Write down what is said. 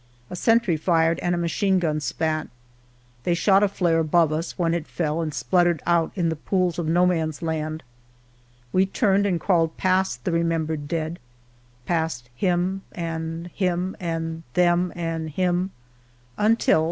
A sentry fired and a machine gun spat; They shot a flare above us, when it fell And spluttered out in the pools of No Man^s Land, We turned and crawled pa^ the remembered dead: Pafi him and him, and them and him, until.